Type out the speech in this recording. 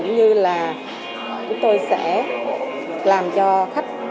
như là chúng tôi sẽ làm cho khách